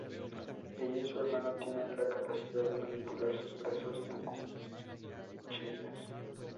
Ella y su hermano tienen la capacidad de manipular sus brazos en cuchillas.